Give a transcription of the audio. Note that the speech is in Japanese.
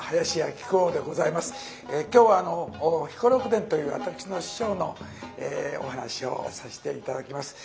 今日は「彦六伝」という私の師匠のお噺をさせて頂きます。